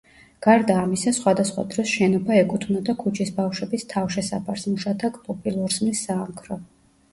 გარდა ამისა სხვადასხვა დროს შენობა ეკუთვნოდა ქუჩის ბავშვების თავშესაფარს, მუშათა კლუბი, ლურსმნის საამქრო.